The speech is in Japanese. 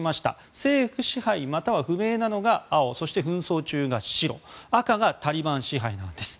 政府支配、または不明なのが青そして紛争中が白赤がタリバン支配ななです。